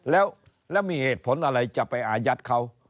แล้วมีเหตุผลอะไรจะไปอายัดเขา